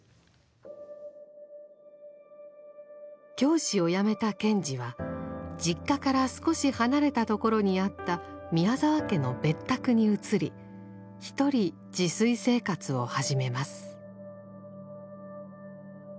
教師をやめた賢治は実家から少し離れたところにあった宮沢家の別宅に移り独り自炊生活を始めます。